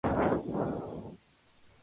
Hay dos hermandades.